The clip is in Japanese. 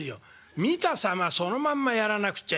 見た様そのまんまやらなくちゃいけない」。